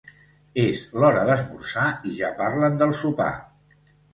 És l'hora d'esmorzar i ja parlen del sopar.